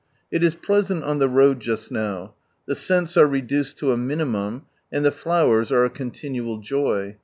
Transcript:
It it pleasBBt 00 the road just now ; tbe scents are reduced to a minimum, and the fiowcn are a cootifUBl jaj.